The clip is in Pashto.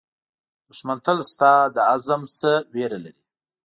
دښمن تل ستا له عزم نه وېره لري